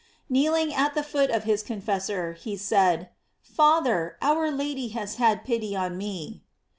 Kneeling at the feet of his confessor, he said: "Father, our Lady has had pity on me."